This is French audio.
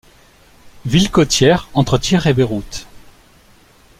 Ville côtière entre Tyr et Beyrouth.